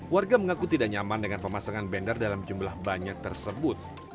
warga mengaku tidak nyaman dengan pemasangan banner dalam jumlah banyak tersebut